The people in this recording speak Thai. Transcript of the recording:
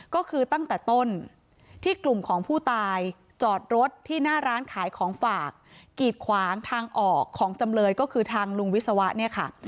ก็คือตั้งแต่ต้นที่กลุ่มของผู้ตายจอดรถที่หน้าร้านขายของฝากกีดขวางทางออกของจำเลยก็คือทางลุงวิศวะเนี่ยค่ะ